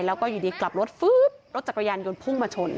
แล้วก็อยู่ดีกลับรถฟื๊บรถจักรยานยนต์พุ่งมาชน